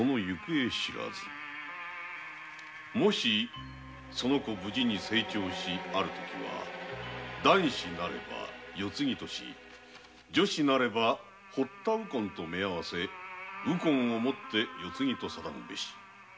「もしその子無事に成長せしときは男子なれば世継ぎとし女子なれば堀田右近とめあわせ右近をもって世継ぎと定むべし」